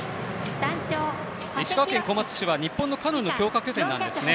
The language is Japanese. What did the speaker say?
石川県小松市は日本のカヌーの強化拠点なんですね。